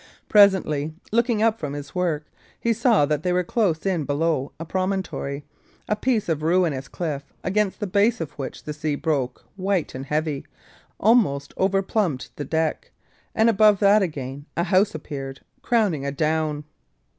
Presently, looking up from his work, he saw that they were close in below a promontory; a piece of ruinous cliff, against the base of which the sea broke white and heavy, almost overplumbed the deck; and, above that, again, a house appeared, crowning a down.